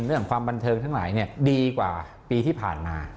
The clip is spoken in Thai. เรื่องความบันเทิงทั้งหลายดีกว่าปีที่ผ่านมา